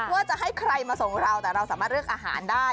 ว่าจะให้ใครมาส่งเราแต่เราสามารถเลือกอาหารได้